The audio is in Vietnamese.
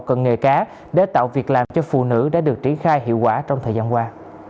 cần nghề cá để tạo việc làm cho phụ nữ đã được triển khai hiệu quả trong thời gian qua